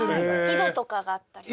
井戸とかがあったり。